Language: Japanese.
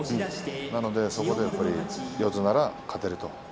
なので、そこでやっぱり四つなら勝てると。